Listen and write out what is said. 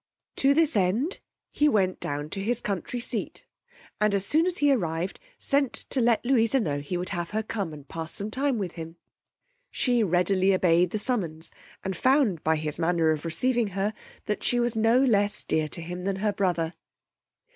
To this end he went down to his country seat, and as soon as he arrived sent to let Louisa know he would have her come and pass some time with him. She readily obeyed the summons, and found by his manner of receiving her that she was no less dear to him than her brother.